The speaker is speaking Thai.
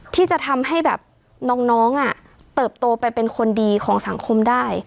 ที่จะทำให้แบบน้องเติบโตไปเป็นคนดีของสังคมได้